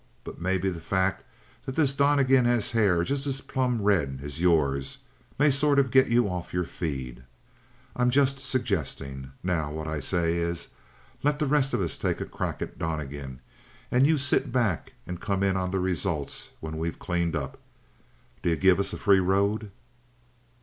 But maybe the fact that this Donnegan has hair just as plumb red as yours may sort of get you off your feed. I'm just suggesting. Now, what I say is, let the rest of us take a crack at Donnegan, and you sit back and come in on the results when we've cleaned up. D'you give us a free road?"